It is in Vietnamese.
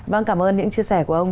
vâng cảm ơn những chia sẻ của ông